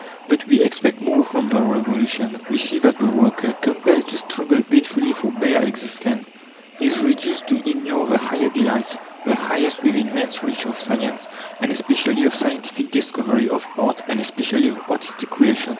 But we expect more from the Revolution. We see that the worker, compelled to struggle painfully for bare existence, is reduced to ignore the higher delights, the highest within man's reach, of science, and especially of scientific discovery; of art, and especially of artistic creation.